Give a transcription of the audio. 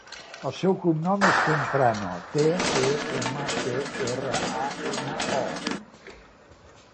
El seu cognom és Temprano: te, e, ema, pe, erra, a, ena, o.